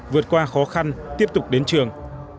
vượt qua khó khăn tiếp tục đến trường